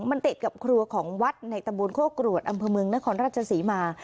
มันติดกับครัวของวัดในตะบนโคกรวดอำเภอเมืองนครราชศรีมา